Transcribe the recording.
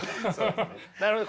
なるほど。